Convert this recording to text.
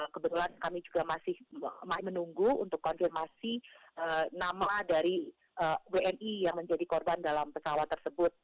kebetulan kami juga masih menunggu untuk konfirmasi nama dari wni yang menjadi korban dalam pesawat tersebut